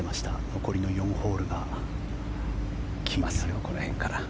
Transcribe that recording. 残りの４ホールが来ますよ、この辺から。